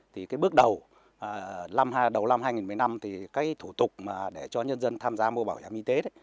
thì cái bước đầu năm hai nghìn một mươi năm thì cái thủ tục để cho nhân dân tham gia mua bảo hiểm y tế đấy